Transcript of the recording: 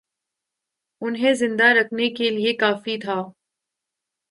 انہیں زندہ رکھنے کے لیے کافی تھا